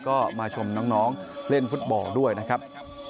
ก็มาชมน้องเล่นฟุตบอลด้วยนะครับ